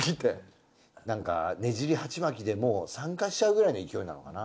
なんかねじり鉢巻きでもう参加しちゃうくらいの勢いなのかな。